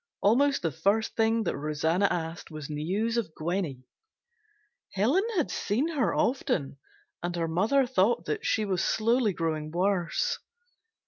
Almost the first thing that Rosanna asked was news of Gwenny. Helen had seen her often and her mother thought that she was slowly growing worse.